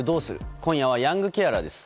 今夜はヤングケアラーです。